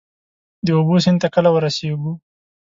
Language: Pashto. د اوبو، سیند ته کله ورسیږو؟